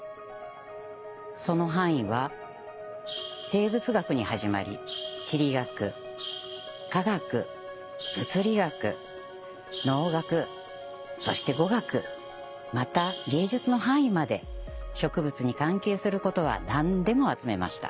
その範囲は生物学に始まり地理学化学物理学農学そして語学また芸術の範囲まで植物に関係することは何でも集めました。